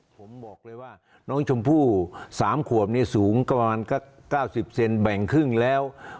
ผมบอกเลยว่าน้องชมพู่๓ขวบนี่สูงประมาณ๙๐เซนแบ่งครึ่งแล้ว